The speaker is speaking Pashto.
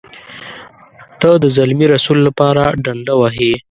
ته د زلمي رسول لپاره ډنډه وهې.